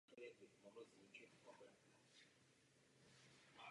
Je to tradiční řecká vesnice s tradiční kamennou pevninskou řeckou architekturou.